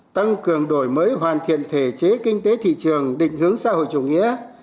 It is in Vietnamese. tăng cường đổi mới hoàn thiện thể chế kinh tế thị trường định hướng xã hội chủ nghĩa